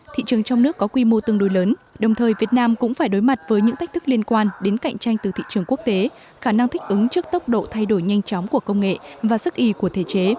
thị trường trong nước có quy mô tương đối lớn đồng thời việt nam cũng phải đối mặt với những thách thức liên quan đến cạnh tranh từ thị trường quốc tế khả năng thích ứng trước tốc độ thay đổi nhanh chóng của công nghệ và sức y của thể chế